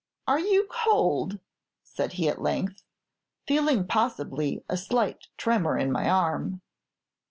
'Are you cold?' said he, at length, feeling possibly a slight tremor in my arm.